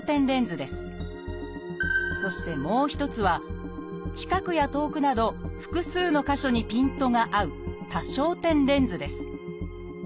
そしてもう一つは近くや遠くなど複数の箇所にピントが合う多焦点レンズです